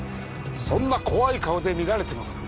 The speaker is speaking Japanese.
そんな怖い顔で見られても。